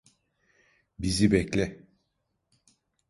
Bizi bekle!